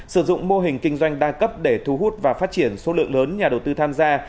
sử dụng mô hình kinh doanh đa cấp để thu hút và phát triển số lượng lớn nhà đầu tư tham gia